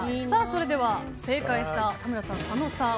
それでは正解した田村さん、佐野さん